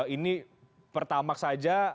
ini pertamax saja